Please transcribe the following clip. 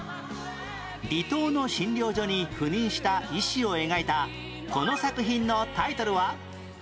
離島の診療所に赴任した医師を描いたこの作品のタイトルは？